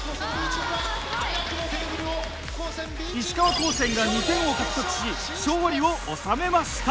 石川高専が２点を獲得し勝利を収めました。